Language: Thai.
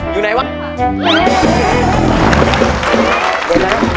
โดยแล้ว